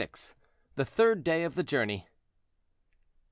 THE THIRD DAY OF THE JOURNEY.